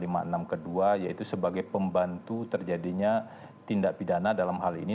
yang diatur di pasal lima a enam a dua a yaitu sebagai pembantu terjadinya tindak pidana dalam hal ini